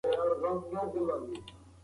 د بدن ژبه مهمه ده.